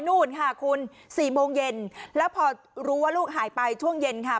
นู่นค่ะคุณสี่โมงเย็นแล้วพอรู้ว่าลูกหายไปช่วงเย็นค่ะ